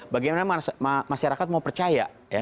bagaimana masyarakat mau percaya